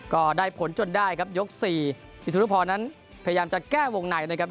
ก็ได้ผลจนได้ครับยกสี่พิสุนุพรนั้นพยายามจะแก้วงในนะครับ